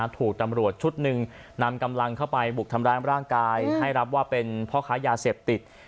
ถูกตำรวจชุดหนึ่งนำกำลังเข้าไปบุกทำร้ายร่างกายให้รับว่าเป็นพ่อค้ายาเสพติด